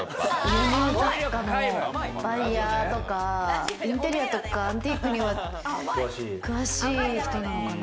輸入雑貨のバイヤーとか、インテリアとかアンティークに詳しい人なのかな？